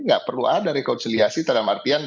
nggak perlu ada rekonsiliasi dalam artian